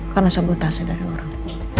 karena sebutase dari orang